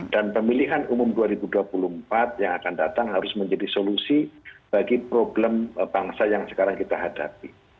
dan pemilihan umum dua ribu dua puluh empat yang akan datang harus menjadi solusi bagi problem bangsa yang sekarang kita hadapi